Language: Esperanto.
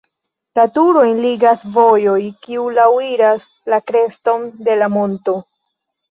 La turojn ligas vojo, kiu laŭiras la kreston de la monto.